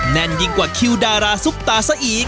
แน่นยิ่งกว่าคิวดาราซุปตาซะอีก